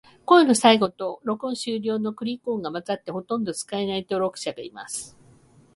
声の最後と、録音終了のクリック音が混ざって、ほとんど使えない登録者がいます。